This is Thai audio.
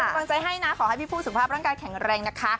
กำลังใจให้นะขอให้พี่ฟู้สุขภาพร่างกายแข็งแรงนะคะ